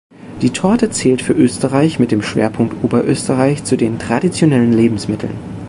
Die Torte zählt für Österreich mit dem Schwerpunkt Oberösterreich zu den "Traditionellen Lebensmitteln".